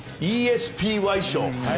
ＥＳＰＹ賞。